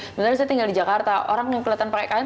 sebenarnya saya tinggal di jakarta orang yang kelihatan pakai kain